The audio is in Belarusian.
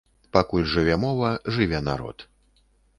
Пакуль жыве мова, жыве народ.